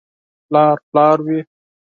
• پلار پلار وي.